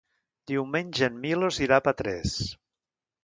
Diumenge en Milos irà a Petrés.